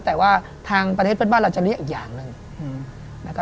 แต่ว่าทางประเทศเพื่อนบ้านเราจะเรียกอีกอย่างหนึ่งนะครับ